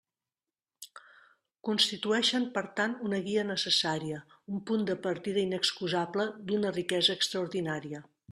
Constitueixen per tant una guia necessària, un punt de partida inexcusable, d'una riquesa extraordinària.